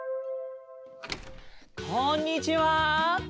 こんにちは！